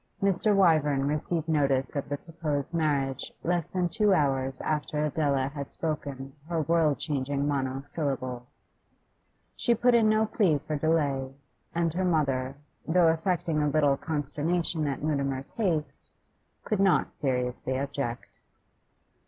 Mr. Wyvern received notice of the proposed marriage less than two hours after Adela had spoken her world changing monosyllable. She put in no plea for delay, and her mother, though affecting a little consternation at Mutimer's haste, could not seriously object.